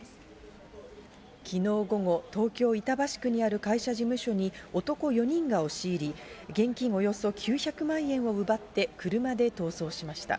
昨日午後、東京・板橋区にある会社事務所に男４人が押し入り、現金およそ９００万円を奪って車で逃走しました。